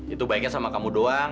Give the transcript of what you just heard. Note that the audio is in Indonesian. itu baiknya hanya dengan kamu